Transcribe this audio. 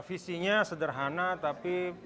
fisinya sederhana tapi